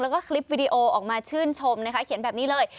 แล้วก็คลิปวิดีโอออกมาชื่นชมนะคะเขียนแบบนี้เลย